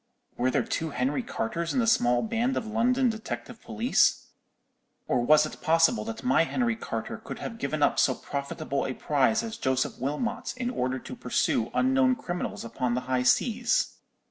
Were there two Henry Carters in the small band of London detective police? or was it possible that my Henry Carter could have given up so profitable a prize as Joseph Wilmot in order to pursue unknown criminals upon the high seas?